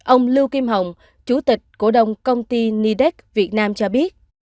ông lưu kim hồng chủ tịch cổ đồng công ty nidec việt nam cho biết